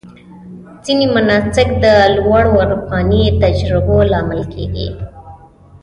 ځینې مناسک د لوړو عرفاني تجربو لامل کېږي.